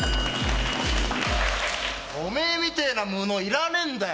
おめえみてえな無能いらねえんだよ！